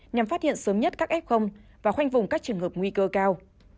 nhằm phát hiện sớm nhất các f và khoanh vùng các trường hợp nguy cơ cao